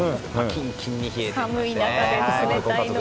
キンキンに冷えていました。